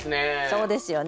そうですよね。